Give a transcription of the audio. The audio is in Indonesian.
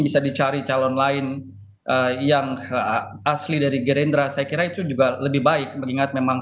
bisa dicari calon lain yang asli dari gerindra saya kira itu juga lebih baik mengingat memang